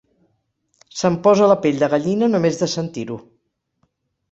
Se'm posa la pell de gallina només de sentir-ho.